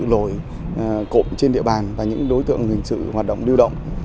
lỗi cộm trên địa bàn và những đối tượng hình sự hoạt động lưu động